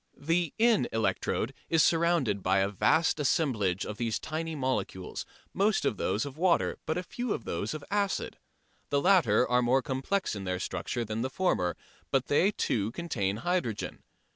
The in electrode is surrounded by a vast assemblage of these tiny molecules, most of them those of water, but a few those of the acid. The latter are more complex in their structure than the former, but they too contain hydrogen.